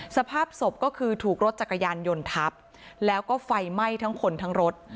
สภาพศพก็คือถูกรถจักรยานยนต์ทับแล้วก็ไฟไหม้ทั้งคนทั้งรถ